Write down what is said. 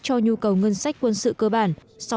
cho nhu cầu ngân sách quân sự cơ bản